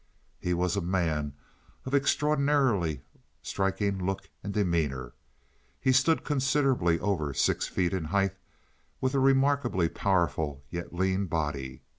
He was a man of extraordinarily striking look and demeanor. He stood considerably over six feet in height, with a remarkably powerful yet lean body.